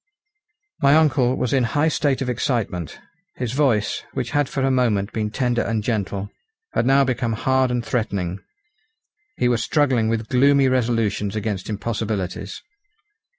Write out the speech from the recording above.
My uncle was in high state of excitement. His voice, which had for a moment been tender and gentle, had now become hard and threatening. He was struggling with gloomy resolutions against impossibilities.